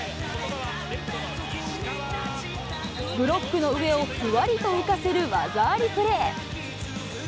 ブロックの上をふわりと浮かせる技ありプレー。